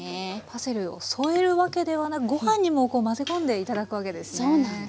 パセリを添えるわけではなくご飯に混ぜ込んで頂くわけですね。